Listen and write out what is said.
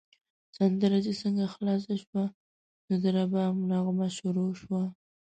سندره چې څنګه خلاصه شوه، نو د رباب نغمه شروع شوه.